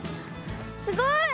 すごい。